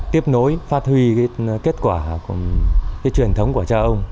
tiếp nối phát huy kết quả của truyền thống của cha ông